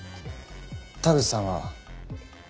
田口さんは？